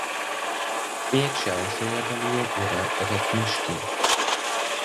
Piečiausioje dalyje yra retmiškiai.